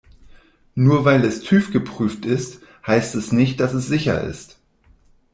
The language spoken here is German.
Nur weil es TÜV-geprüft ist, heißt es nicht, dass es sicher ist.